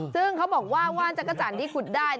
ซึ่งเขาบอกว่าว่านจักรจันทร์ที่ขุดได้